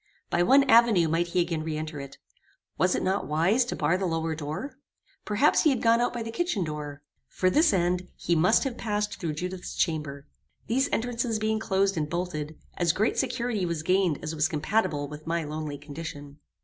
By one avenue might he again re enter. Was it not wise to bar the lower door? Perhaps he had gone out by the kitchen door. For this end, he must have passed through Judith's chamber. These entrances being closed and bolted, as great security was gained as was compatible with my lonely condition.